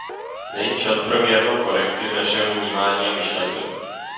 Není čas pro mírnou korekci našeho vnímání a myšlení?